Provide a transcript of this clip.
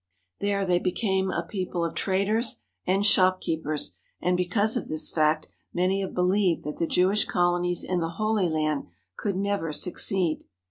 There they 171 THE HOLY LAND AND SYRIA became a people of traders and shopkeepers, and because of this fact many have believed that the Jewish colonies in the Holy Land could never succeed.